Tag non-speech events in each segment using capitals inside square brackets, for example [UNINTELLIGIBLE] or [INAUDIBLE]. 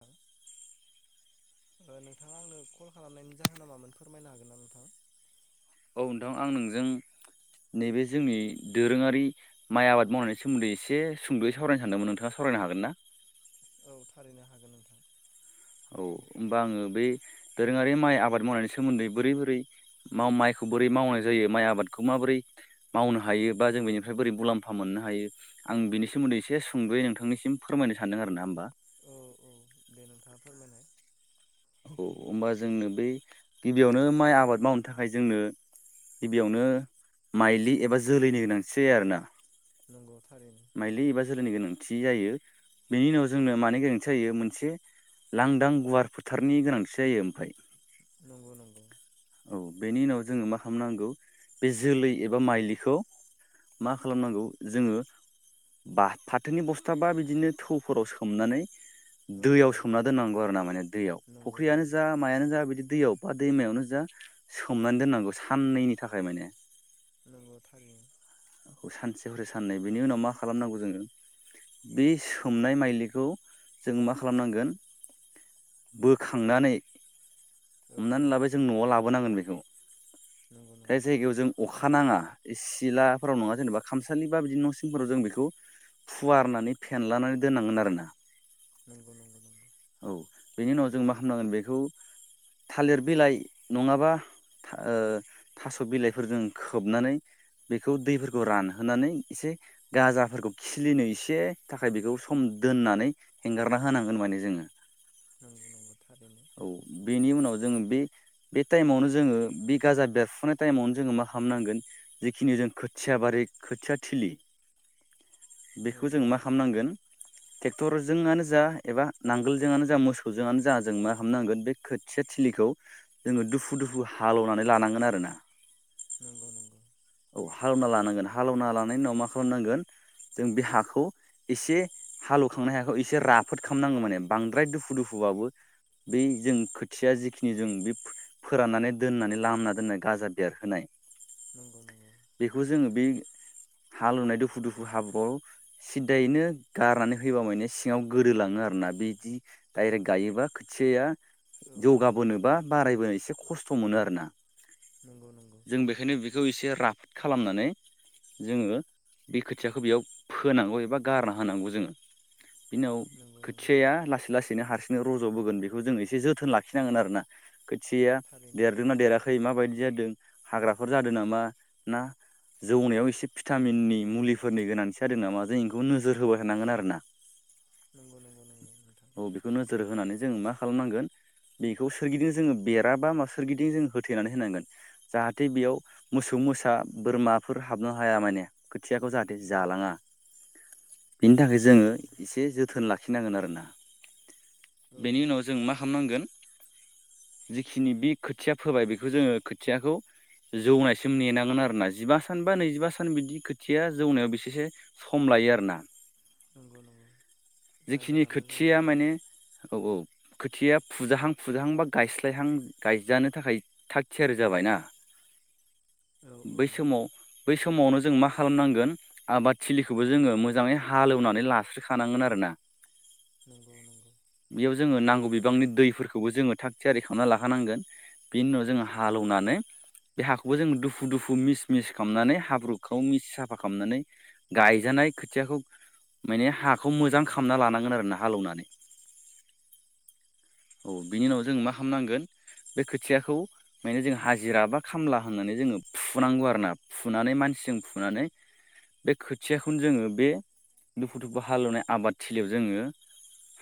[UNINTELLIGIBLE] ओ नोंनथाङा आंनो कल खालामनायनि जाहोना मामोन फोरमायनो हागोन ना नोंथां औ नोंथां आं नोंजों नैबे जोंनि दोरोङारि माइ आबाद मावनायनि सोमोन्दै एसे सुंदयै सावरायनो सानदोंमोन नोंथाङा सावरा फरायनो हागोन ना [INAUDIBLE] थारैनो हागोन नोंथां औ होमबा आङो बे दोरोङारि माइ आबाद मावनायनि सोमोन्दै बोरै बोरै मो मा माइखौ बोरै मावनाय जायो माइ आबादखौ माबोरै मावनो हायो बा जों बेनिफ्राय बोरै मुलाम्फा मोनो नो हायो आं बिनि सोमोन्दै एसे सुंद'यै नोंथांनिसिम फोरमायनो सानदों आरो ना होमबा औ औ दे नोंथाङा फोरमायनाय औ होमबा जोंनो बै गिबियावनो माइ आबाद मावनो थाखाय जोंनो गिबियावनो माइलि एबा जोलैनि गोनांथि जायो आरो ना। नंगौ थारै माइलि एबा जोलैनि गोनांथि जायो बेनि उनाव जोंनो मानि गोनांथि जायो मोनसे लांदां गुवार फोथारनि गोनांथि जायो ओमफाय। नंगौ नंगौ औ बेनि उनाव जोङो मा खामनांगौ बे जोलै एबा माइलिखौ मा खालामनांगौ जोङो? बा फाथोनि बस्थाबा बिदिनो थौफोराव सोमनानै औ औ दैयाव सोमना दोननांगौ आरो ना माने दैयाव नंगौ फुख्रियानो नंगौ जा मायानो जा बिदि दैयाव बा दैमायावनो जा सोमनानै दोननांगौ साननैनि थाखाय माने। नंगौ थारैनो। सानसे हरै साननै बिनि उनाव मा खालामनांगौ जोङो। बे सोमनाय माइलिखौ जों मा खालामनांगोन? बोखांनानै औ औ हमनानै लाबाय जों न'आव लाबोनांगोन बेखौ नंगौ [INAUDIBLE] जाय नंगौ जायगायाव जों अख खानाङा सिलाफोराव नङा जेनेबा खामसालि बा बिदिनो न'सिमफोराव जों बेखौ फुवारनानै फेनलानानै दोननांगोन आरो ना। नंगौ नंगौ नंगौ। औ बेनि उनाव जों मा खालामामनांगोन बेखौ थालिर बिलाइ नङाबा था ओ थास' बिलाइफोरजों खोबनानै बेखौ दैफोरखौ रानहोनानै एसे गाजाफोरखौ खिलिनो एसे थाखाय बेखौ सम दोन नानै हेंगारना होनांगोन माने जोङो। नंगौ नंगौ थारैनो। औ बेनि उनाव जोङो बे बे टाइमावनो जोङो बे गाजा बेरफुनाय टाइमावनो जोङो मा खालामामनांगोन जिखिनि जों खोथिया बारि खोथिया थिलि औ बेखौ औ जों मा खालामनांगोन टेक्टरजोंआनो जा एबा नांगोलजोंआनो जा मोसौजोंआनो जा जों मा खामनांगोन बे खोथिया थिलिखौ जोङो दुफु दुफु हालोवनानै लानांगोन आरो ना। नंगौ नंगौ। हालावना लानांगोन हालोवना लानायनि उनाव मा खालामनांगोन जों बे हाखौ एसे हालेवखांनाय हाखौ एसे राफोद खालामनांगौ माने बांद्राय दुफु दुफु उवाबो बै जों खोथिया जिखिनि जों बे फो-फोराननानै दोननानै लामना दोननाय गाजा देरहोनाय नंगौ नंगौ बेखौ जोङो बे हालुनाय दुफु दुफु हाब्रुआव सिदायैनो गारनानै होबा माने सिङाव गोदोलाङो आ रोना बिदि डायरेक्ट गायोबा खोथियाया औ औ जौगाबोनो औ बा बारायबोनो एसे खस्थ' मोनो आरो ना। नंगौ नंगौ एसे राफोद खालामनानै जोङो बे खोथियाखौ बेयाव फोनांगौ एबा गारना होनांगौ जोङो। बिनि उनाव नंगौ नंगौ खोथियाया लासै लासैनो हारसिंनो रज'बोगोन बेखौ जों एसे जोथोन लाखिनांगोन आरोना। खोथिया थारैनो देरदों ना देराखै माबायदि जादों हाग्राफोर जादों नामा? ना जौनायाव एसे फिटामिननि मुलिफोरनि गोनांथि जादों नामा जों इखौ नोजोर होबाय थानांगोन आरोना। नंगौ नंगौ नंगौ नोंथां [INAUDIBLE] औ बेखौ नोजोर होनानै जोङो मा खालामनांगोन? बेखौ सोरगिदिं जोङो बेरा बा मा सोरगिदिं जोङो होथैनानै होनांगोन जाहाथे बेयाव मोसौ मोस बोरमाफोर हाबनो हाया माने खोथियाखौ जाहाथे नंगौ जालाङा। बिनि थाखाय जोङो नंगौ नंगौ एसे जोथोन लाखिनांगोन आरोना। औ बेनि उनाव जों मा खालामनांगोन। [INAUDIBLE] जिखिनि बे खोथिया फोबाय बेखौ जोङो खोथियाखौ जौनायसिम नेनां [UNINTELLIGIBLE] आरोना जिबा सान बा नैजिबा सान बिदि खोथिया जौनायाव बेसेसो सम लायो आरोना। नंगौ नंगौ जायगा जेखिनि लाना जायगा खोथिया आरोना माने औ औ। खोथिया फुजाहां- फुजाहां बा गायस्लायहां गायजानो थाखाय थाग थियारि जाबायना। [INAUDIBLE] औ बै समाव बै समावनो जों मा खालामनांगोन आबाद थिलिखौबो जोङो मोजाङै हालौ [UNINTELLIGIBLE] लास्रोखानांगोन आरोना नंगौ नंगौ बेयाव जोङो नांगौ बिबांनि दैफोरखौबो जोङो थाग- थियारि खालामना लाखानांगोन। बेनि उनाव जोङो हालेवनानै बे हाखौबो जोङो दुफु दुफु मिस- मिस खालामनानै हाब्रुखौ मिस साफा खालामनानै गायजानाय खोथियाखौ माने हाखौ नंगौ मोजां नंगौ खालामना लानांगोन आरो ना हालौनानै। [INAUDIBLE] औ बिनि उनाव जों मा खालामनांगोन। बे खोथियाखौ माने जों हाजिरा बा खामला होनानै जोङो फुनांगौ आरोना फुनानै मानसिजों फुनानै बे खोथियाखौनो जोङो बे दुफु -दुफु हालवनाय आबादथिलियाव जोङो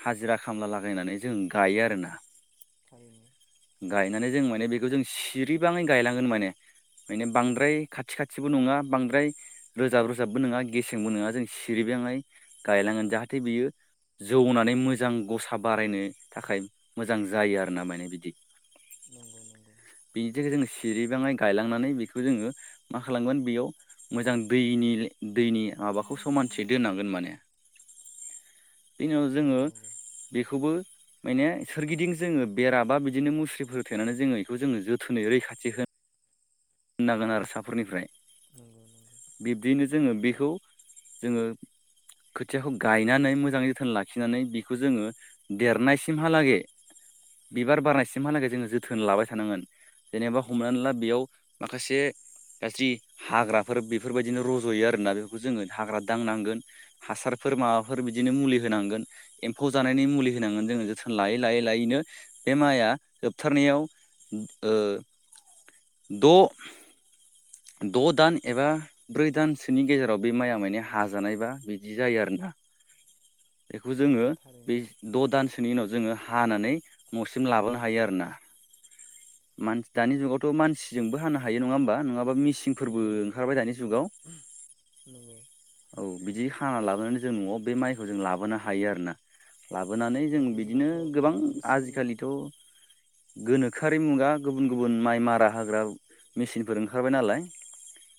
हाजिरा खामला लागायनानै जों गायो आरोना। थारैनो। गायनानै जों माने बेखौ जों सिरिबाङै गायलांगोन माने। माने बांद्राय खाथि -खाथिबो नङा बांद्राय रोजाब- रोजाबबो नङा गेसेंबो नङा जों सिरि [UNINTELLIGIBLE] गायलांगोन जाहाथे बियो जौनानै मोजां गसा बारायनो थाखाय मोजां जायो आरोना। माने बिदि नंगौ नंगौ। बेनि थाखाय जोङो सिरिबाङै गायलांनानै बेखौ जोङो मा खालामगोन बेयाव मोजां दै [UNINTELLIGIBLE] दैनि माबाखौ समानथि दोननांगोन माने [INAUDIBLE] बिनि उनाव जोङो नंगौ नंगौ बे [UNINTELLIGIBLE] माने सोरगिदिं जोङो बेरा बा बिदिनो मुस्रिफोर थेनानै जोङो बेखौ जोङो जोथोनै रैखाथि [UNINTELLIGIBLE] होनांगोन आरो साफोरनिफ्राय नंगौ नंगौ। बिब्दियैनो जोङो बेखौ जोङो खोथियाखौ गायनानै मोजाङै जोथोन लाखिनानै बिखौ जोङो देरनायसिमहालागै बिबार बारनायसिमहालागै जोङो जोथोन लाबाय थानांगोन जेनेबा हमनानै ला बेयाव माखासे गाज्रि हाग्राफोर बेफोरबायदिनो रज'यो आरोना बेफोरखौ जोङो हाग्रा दांनांगोन हासार [UNINTELLIGIBLE] माबाफोर बिदिनो मुलि होनांगोन। एम्फौ जानायनि मुलि होनांगोन जोङो जोथोन लायै -लायै -लायैनो बे माइआ जोबथारनायाव ओ [INAUDIBLE] द' द' दान एबा ब्रै दानसोनि गेजेराव बे माइया माने हाजानायबा बिदि जायो आरो। [UNINTELLIGIBLE] [INAUDIBLE] बेखौ नंगौ जोङो बे थारैनो द' दानसोनि उनाव जोङो हानानै न'सिम लाबोनो हायो आरोना। [UNINTELLIGIBLE] दानि जुगावथ' मानसिजोंबो हानो हायो नङा होमबा नङाबा [UNINTELLIGIBLE] सिंफोरबो ओंखारबाय दानि जुगाव। नंगौ औ बिदि खाना लाबोनानै जों न'आव बे माइखौ जों लाबोनो हायो आरोना। लाबोनानै जों दानि बिदिनो जुगावथ' औ गोबां मेचिन आजिखालिथ' गोनोखो आरि मुगा गुबुन गुबुन माइ मारा होग्रा मेसिनफोर ओंखारबाय नालाय।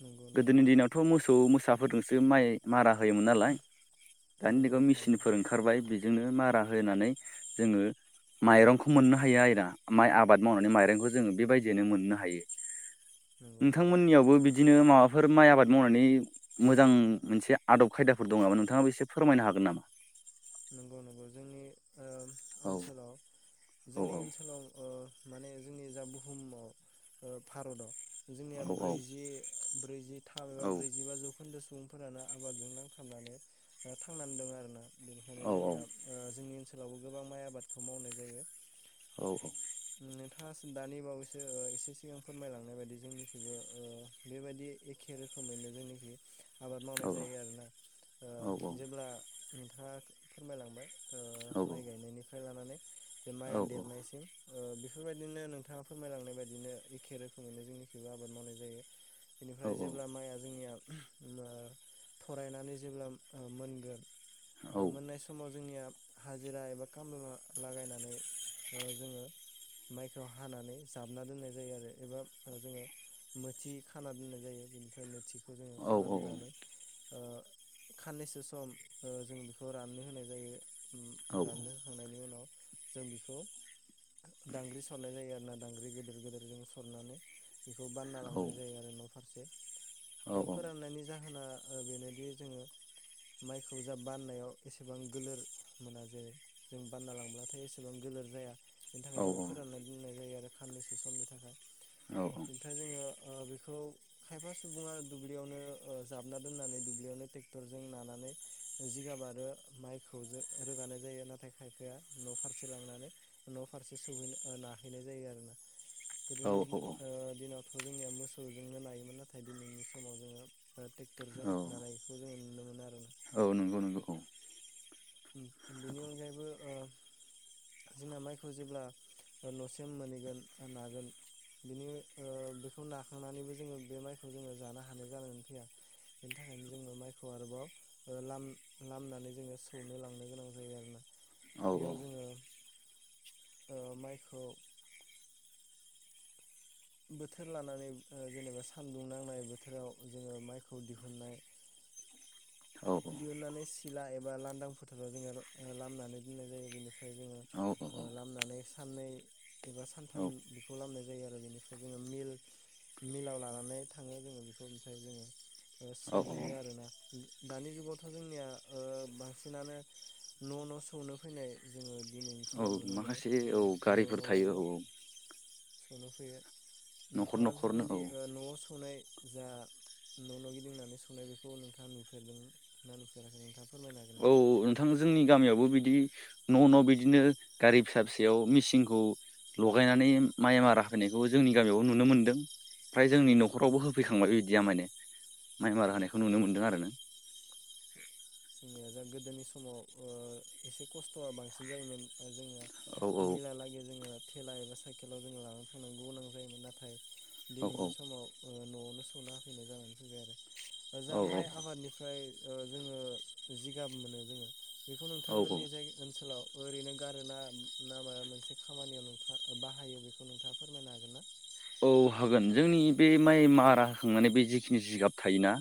नंगौ नंगौ गोदोनि दिनावथ' मोसौ मोसाफोरजोंसो माइ मारा होयोमोन नालाय दानि नंगौ दिनाव थारैनो मेसिनफोर ओंखारबाय बेजोंनो मारा होनानै जोङो माइरंखौ मोननो हायो आरोना माइ आब आबाद मावनानै माइरंखौ जों बेबायदिनो मोननो हायो नंगौ नंगौ नोंथांमोननियावबो बिद बिदिनो माबाफोर माइ आबाद मावनायनि मोजां मोनसे आदब खायदाफोर दङ नामा नोंथाङाबो एसे फोरमायनो हागो गोन नामा? [INAUDIBLE] नंगौ नंगौ जोंनि ओ औ ओनसोलाव औ जोंनि ओनसोलाव ओ माने जोंनि जा बुहुमाव ओ भारताव जोंनिया औ औ ब्रैजि ब्रैजि थाम एबा औ ब्रैजिबा जौखोन्दो सुबुंफोरानो आबादजों नांथाबनानै ओ थांनानै दं आरोना। बेनिखायनो औ जोंनिया औ। ओ जोंनि ओनसोलावबो गोबां माइ आबादखौ मावनाय जायो। औ औ। फार्सट दानि बावैसो ओ एसे सिगां फोरमायलांनाय बायदि जोंनिखिबो ओ बेबायदि एखे रोखोम खोमैनो जोंनिखि आबाद मावनाय जायो आरोना ओ औ औ जेब्ला नोंथाङा फोरमायलांबाय ओ औ माइ औ। गायनायनिफ्राय लानानै जे औ माइया देरनायसिम ओ बेफोरबायदिनो नोंथाङा फोरमायलांनाय बायदिनो एखे रोखोमैनो जोंनिखिबो आबाद मावनाय जायो। बेनिफ्राय जेब्ला माइया जोंनिया ओ थरायनानै जेब्ला ओ मोनगोन मोननाय समाव जोंनिया हाजिरा एबा खामला लागायनानै ओ जोङो माइखौ हानानै जाबना दोननाय जायो आरो एबा जोङो मोथि खाना दोननाय जायो बेनिफ्राय मोथिखौ जों खाना दोननानै ओ खाननैसो सम ओ जों बेख खौ राननो होनाय जायो राननो होखांनायनि उनाव जों बेखो दांग्रि सरनाय जायो आरो ना दांग्रि गिदिर गिदिर जों सरनानै बेखौ बानना लांनाय जायो आरो न' फारसे ओ फोराननायनि जाहोना ओ बेनोदि जोङो माइखौ जा बाननायाव एसेबां गोलोर मोना जेरै जों बानना लांब्लाथाय एसेबां गोलोर जाया। बेनि थाखाय जोङो फोराननानै दोननाय जायो आरो साननैसो समनि थाखाय बिनिफ्राय जोङो ओ बेखौ खायफा सुबुङा दुब्लियावनो ओ जाबना दोननानै दुब्लियावनो ट्रेक्टरजों नाना नै जिगाब आरो माइखौ ज' रोगानाय जायो नाथाय खायफाया न' फारसे लांनानै न' फारसे सौहैनो नाहैनाय जायो आरोना। गोदोनि औ ओ दिनावथ' जोंनिया मोसौजोंनो नायोमोन नाथाय दिनैनि समाव जोङो ट्रेक्टरजों औ नानायखौ जोङो नुनो मोनो आरो। औ नंगौ नंगौ औ। बेनि अनगायैबो ओ जोंना माइखौ जेब्ला न'सिम मोनहैगोन नागोन बिनि ओ बेखौ नाखांनानैबो जोङो बे माइखौ जोङो जानो हानाय जानानै फैया। बेनि थाखायनो जोङो माइखौ आरोबाव ओ लाम लामनानै जोङो सौनो लांनो गोनां जायो आरोना औ औ बेयाव जोङो ओ माइखौ बोथोर लानानै ओ जेनेबा सानदुं नांनाय बोथोराव जोङो माइखौ दिहुननाय औ दिहुननानै सिला एबा लांदां फोथाराव जोङो लामनानै दोननाय जायो बेनिफ्राय जोङो ओ लामनानै साननै एबा सानथाम बेखौ लामनाय जायो आरो बेनिफ्राय जोङो मिल मिलाव लानानै थाङो जोङो बेखौ ओमफ्राय जोङो औ सौहैयो आरो ना दानि जुगावथ' जोंनिया ओ बांसिनानो न' न' सौनो फैनाय जोङो दिनैनि औ समाव नुनो मोनो माखासे ओ औ न' गारिफोर थायो न'आवबो औ औ सौनो फैयो न'खर नोंथाङा न'खरनो बेफोरबायदि न'आव सौनाय जा न' न' गिदिंनानै सौनाय बेखौ नोंथाङा नुफेरदों ना नुफेराखै नोंथाङा फोरमाय औ नोंथां जोंनि गामियावबो बिदि न' न' बिदिनो गारि फिसा फिसायाव मेचिनखौ लगायनानै माइ मारा होनायखौ जोंनि गामियाव नुनो मोनदों फ्राय जोंनि नंगौ न'खरावबो नंगौ। होफैखांबाय बिदिया माने माइ औ मारा होनायखौ औ नुनो मोनदों आरो ना जोंनिया गोदोनि समाव एसे खस्थ'आ बांसिन जायोमोन जोंना औ मिलालागै जोङो थेला एबा साइकेलाव जोङो लानानै थांनांगौ गोनां जायोमोन नाथाय औ दिनैनि समाव न'आवनो सौना होफैनाय जानानै फैबाय आरो जा औ माइ औ आबादनिफ्राय औ जोङो जिगाब मोनो जोङो बेखौ औ नोंथांमोननि जाय ओनसोलाव ओरैनो गारो ना ना माबा मोनसे खामानियाव नोंथाङा बाहायो बेखौ नोंथाङा फोरमायनो हागोन ना औ हागोन जोंनि बे माइ मारा होखांनानै बे जिखिनि जिगाब थायोना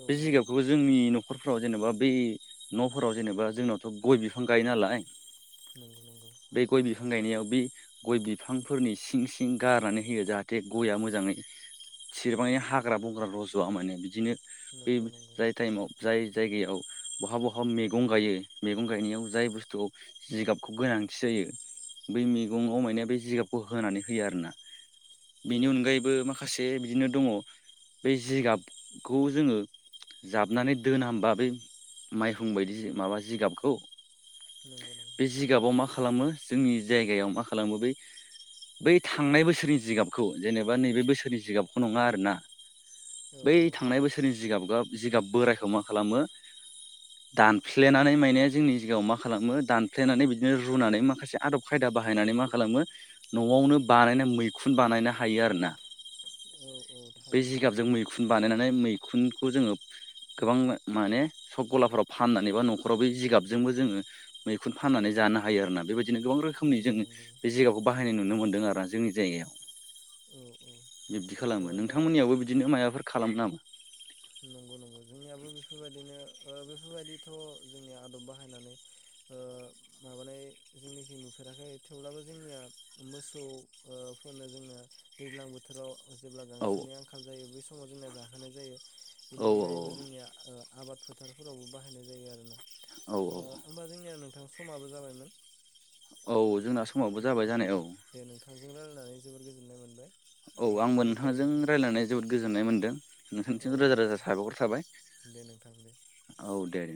औ बे औ जिगाबखौबो जोंनि न न'खरफोराव जेनेबा बै न'फोराव जेनेबा जोंनावथ' गय बिफां गायो नालाय नंगौ नंगौ बे गय बिफां गायनायाव बे गय बिफांफोरनि सिं सिं गारनानै होयो जाहाथे गया मोजाङै सिरबाङै हाग्रा बंग्रा रज'आ माने बिदिनो बे नंगौ नंगौ जाय टाइमाव जाय जायगायाव बहा बहा मैगं गायो मैगं गायनायाव जाय बुस्थुआव जिगाबखौ गोना गोनांथि जायो बै मैगं अमायनाया बे जिगाबखौ होनानै होयो आरोना औ बेनि औ अनगायैबो माखासे बिदिनो दङ बे जिगाबखौ जोङो जाबनानै दोना ओमबा बै माइहुं बायदि माबा जिगाबखौ नंगौ नंगौ बे जिगाबाव मा खालामो जोंनि जायगायाव मा खालामो बै बै थांनाय बोसोरनि जिगाबखौ जेनेबा नैबे बोसोरनि जिगाबखौ नङा आरोना औ बै औ थांनाय बोसोरनि जिगाब गाब जिगाब बोरायखौ मा खालामो दानफ्ल्लेनानै माने जोंनि जिगायाव मा खालामो दानफ्लेनानै बिदिनो रुनानै माखासे आदब खायदा बाहायनानै मा खालामो न'आवनो बानायनाय मैखुन बानायनो हायो आरोना औ औ बे थारैनो हायो। जिगाबजों मैखुन बानायनानै मै खुनखौ जोङो गोबां माने सख गलाफोराव फाननानै बा न'खराव बे जिगाबजोंबो जोङो मैखुन फाननानै जानो हायो आरो ना बेबायदिनो गोबां रोखोमनि नंगौ जोंङो नंगौ बे जिगाबखौ बाहायनाय नुनो मोन्दों आरोा जोंनि जायगायाव औ औ बिब्दि ओ खालामो दा नोंथांमोननियावाबबो बिदिनो माबाफोर खालामो नामा नंगौ नंगौ जोंनियाबो बेफोरबायदिनो ओ बेफोरबायदिथ' जोंनि आदब बाहायनानै ओ माबानाय जोंनिखि नु फेराखै थेवब्लाबो जोंनिया मोसौ फोरनो जोंना दैज्लां बोथोराव जेब्ला औ गांसोनि आंखाल जायो बै समाव जोंनाया जाहोनाय जायो बेनि औ अनगायैबो जोंनिया ओ आबाद फोथारफोरावबो बाहायनाय जायो आरो ना औ होमबा जोंनिया नोंथां स समाबो जाबायमोन औ जोंना समावबो जाबाय जानाया औ दे नोंथांजों रायलायनानै जोबोर गोजोननाय मोनबाय ओ औ आंबो खुलुमबाय नोंथांजों नोंथां रायलायनाय जोबोद गोजोननाय मोन्दों औ नोंथांनिसिम रोजा दे रोजा दे साबायखर थाबाय दे नोंथां दे औ दे